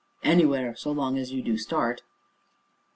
"Anywhere, so long as you do start."